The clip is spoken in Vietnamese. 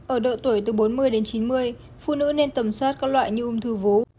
ở độ tuổi từ bốn mươi chín mươi phụ nữ nên tầm soát các loại như ung thư vố